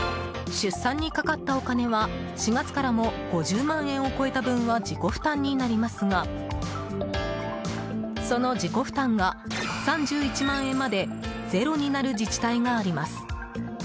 出産にかかったお金は４月からも５０万円を超えた分は自己負担になりますがその自己負担が３１万円まで０になる自治体があります。